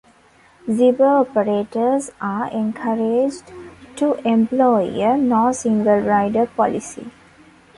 Zipper operators are encouraged to employ a "no single rider" policy.